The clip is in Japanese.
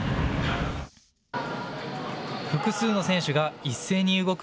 複数の選手が一斉に動く